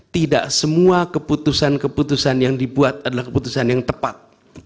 tidak semua keputusan keputusan yang dibuat adalah keputusan yang tepat